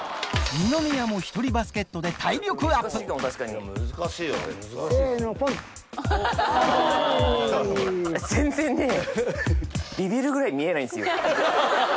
二宮も１人バスケットで体力せーの、全然ね、びびるくらい見えないんです。